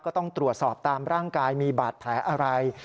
ก็ต้องตรวจสอบตามร่างกายมีบาดแผลอะไร